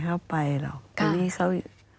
ก็ไม่อยากเข้าไปหรอก